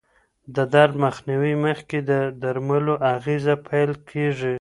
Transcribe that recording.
د درد مخنیوي مخکې د درملو اغېزه پېل کېږي.